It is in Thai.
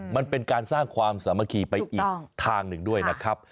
มันเป็นการสร้างความสามัคคีไปอีกทางหนึ่งด้วยนะครับ